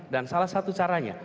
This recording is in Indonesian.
dan salah satu caranya